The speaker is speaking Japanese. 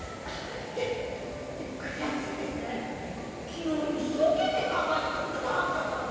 昨日一生懸命考えて作ったダンスだったのに。